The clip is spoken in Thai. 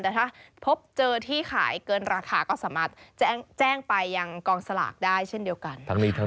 แต่ถ้าพบเจอที่ขายเกินราคาก็สามารถแจ้งไปยังกองสลากได้เช่นเดียวกัน